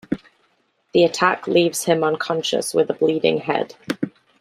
The attack leaves him unconscious with a bleeding head.